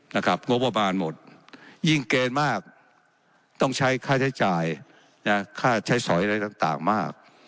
งบประมาณหมดยิ่งเกณฑ์มากต้องใช้ค่าใช้จ่ายนะค่าใช้สอยอะไรต่างมาก